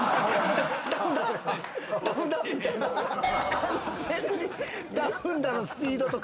完全に。